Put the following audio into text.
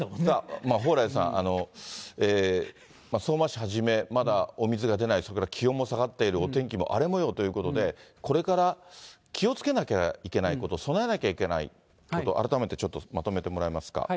蓬莱さん、相馬市はじめ、まだお水が出ない、それから気温も下がっている、お天気も荒れもようということで、これから気をつけなきゃいけないこと、備えなきゃいけないこと、改めてちょっとまとめてもらえますか。